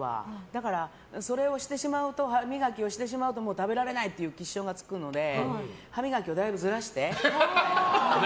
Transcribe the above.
だから、それをしてしまうと食べられないっていうのがつくので歯磨きをだいぶずらして。